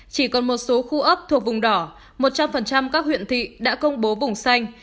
chỉ còn một số khu ấp thuộc vùng đỏ một trăm linh các huyện thị đã công bố vùng xanh